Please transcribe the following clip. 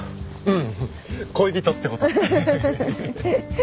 うん？